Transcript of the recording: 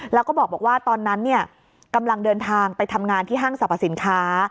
แล้วก็บอกว่าตอนนั้นกำลังเดินทางไปทำงานที่ห้างสรรพสินค้า